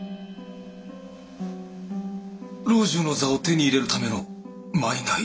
老中の座を手に入れるための賄？